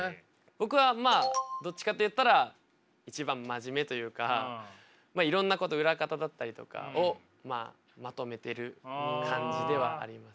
僕はまあどっちかっていったら一番真面目というかいろんなこと裏方だったりとかをまとめてる感じではあります。